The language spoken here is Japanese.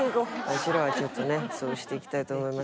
ワシらはちょっとねそうしていきたいと思います。